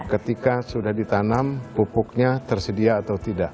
ketika sudah ditanam pupuknya tersedia atau tidak